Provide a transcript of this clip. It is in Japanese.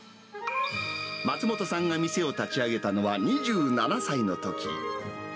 松本さんが店を立ち上げたのは２７歳のとき。